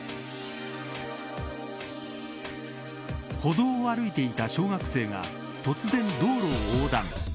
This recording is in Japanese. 歩道を歩いていた小学生が突然道路を横断。